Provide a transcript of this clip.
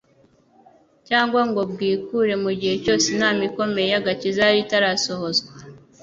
cyangwa ngo bwikure mu gihe cyose inama ikomeye y'agakiza yari itarasohozwa.